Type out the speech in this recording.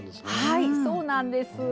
はいそうなんです。